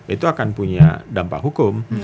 itu akan punya dampak hukum